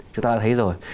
chúng ta đã thấy rồi